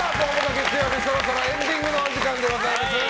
月曜日そろそろエンディングのお時間でございます。